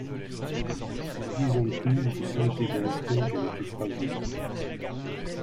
Disons tout, je sentais, d'instinct, qu'elle était fragile.